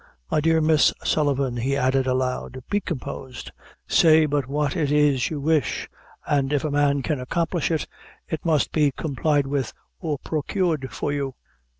My dear Miss Sullivan," he added, aloud, "be composed say but what it is you wish, and if a man can accomplish it, it must be complied with, or procured for you."